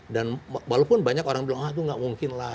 dan walaupun banyak orang bilang ah itu nggak mungkin lah